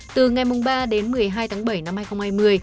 từ ngày ba đến một mươi hai tháng bảy năm hai nghìn hai mươi